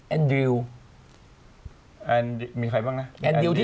อันดริวที่ยังไม่แฟนเลยซันนี่